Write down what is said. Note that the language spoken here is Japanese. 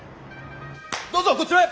どうぞこちらへ！